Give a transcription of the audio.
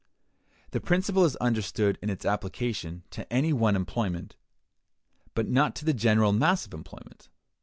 The principle is understood in its application to any one employment, but not to the general mass of employment.